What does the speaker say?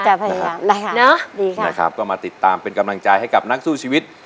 พยายามเนอะดีค่ะนะครับก็มาติดตามเป็นกำลังใจให้กับนักสู้ชีวิต